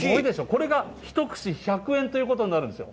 これが１串１００円ということになるんですよ。